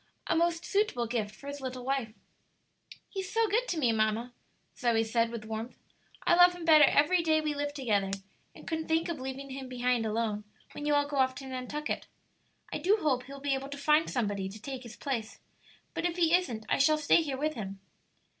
"A most suitable gift for his little wife." "He's so good to me, mamma," Zoe said, with warmth. "I love him better every day we live together, and couldn't think of leaving him behind alone, when you all go off to Nantucket. I do hope he'll be able to find somebody to take his place; but if he isn't I shall stay here with him."